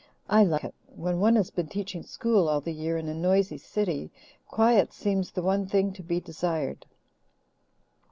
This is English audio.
"I like it. When one has been teaching school all the year in a noisy city, quiet seems the one thing to be desired.